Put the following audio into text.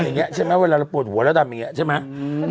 อย่างเงี้ยใช่ไหมเวลาเราโปรดหัวแล้วดำอย่างเงี้ยใช่ไหมอืม